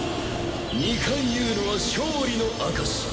２回言うのは勝利の証し。